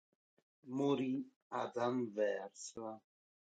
Morì ad Anversa.